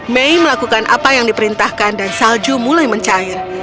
mei melakukan apa yang diperintahkan dan salju mulai mencair